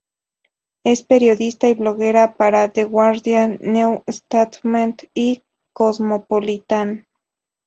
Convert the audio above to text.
Es periodista y bloguera para "The Guardian", "New Statement" y "Cosmopolitan.